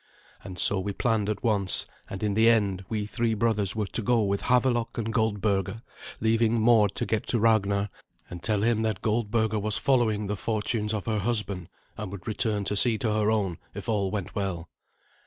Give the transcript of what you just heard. And so we planned at once; and in the end we three brothers were to go with Havelok and Goldberga, leaving Mord to get to Ragnar and tell him that Goldberga was following the fortunes of her husband, and would return to see to her own if all went well.